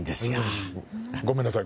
ごめんなさい